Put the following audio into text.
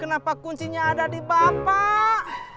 kenapa kuncinya ada di bapak